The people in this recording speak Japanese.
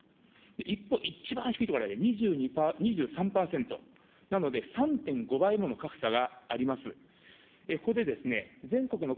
一方、一番低い所では２２、２３％なので３．５倍もの格差があります。